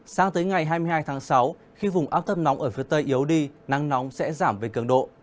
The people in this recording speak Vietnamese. sang tới ngày hai mươi hai tháng sáu khi vùng áp thấp nóng ở phía tây yếu đi nắng nóng sẽ giảm về cường độ